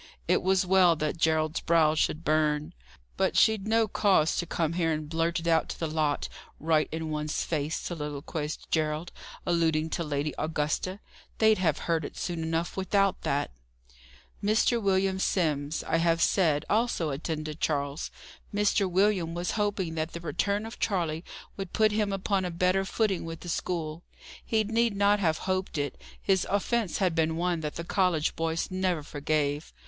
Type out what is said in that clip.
It was well that Gerald's brow should burn. "But she'd no cause to come here and blurt it out to the lot, right in one's face!" soliloquized Gerald, alluding to Lady Augusta. "They'd have heard it soon enough, without that." Mr. William Simms, I have said, also attended Charles. Mr. William was hoping that the return of Charley would put him upon a better footing with the school. He need not have hoped it: his offence had been one that the college boys never forgave.